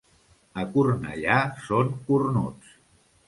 A Cornellà són cornuts.